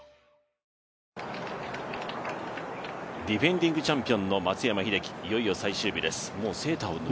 ディフェンディングチャンピオンの松山英樹、いよいよ最終日です。